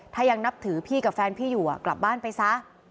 ถ้ายังนับถือพี่กับแฟนพี่อยู่กลับบ้านไปซะ